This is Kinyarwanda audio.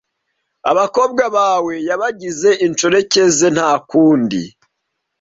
Abakobwa bawe yabagize inshoreke ze nta kundi